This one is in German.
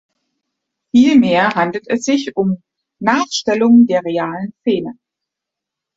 Vielmehr handelt es sich um Nachstellungen der realen Szene.